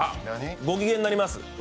ご機嫌になります。